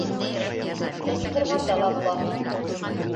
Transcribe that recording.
— Ҡысҡырғанда ла була